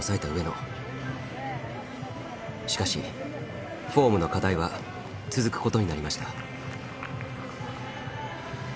しかしフォームの課題は続くことになりました。